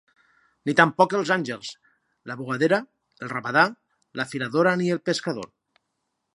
Ni tampoc els àngels, la bugadera, el rabadà, la filadora ni el pescador.